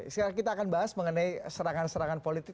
sekarang kita akan bahas mengenai serangan serangan politik